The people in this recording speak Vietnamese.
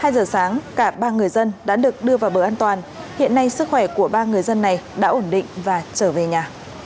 hai giờ sáng cả ba người dân đã được đưa vào bờ an toàn hiện nay sức khỏe của ba người dân này đã ổn định và trở về nhà